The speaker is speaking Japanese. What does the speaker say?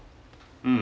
うん。